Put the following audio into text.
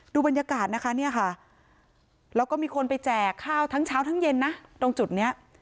ดูบรรยากาศนะคะเนี่ยค่ะแล้วก็มีคนไปแจกข้าวทั้งเช้าทั้งเย็นนะตรงจุดนี้